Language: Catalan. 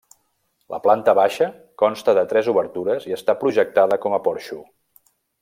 La planta baixa consta de tres obertures i està projectada com a porxo.